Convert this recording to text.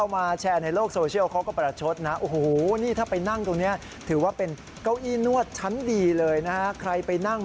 ไม่น่าจะดี